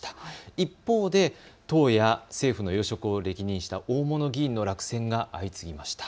一方で党や政府の要職を歴任した大物議員の落選が相次ぎました。